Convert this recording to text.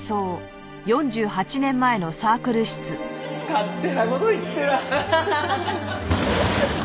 勝手な事言ってら。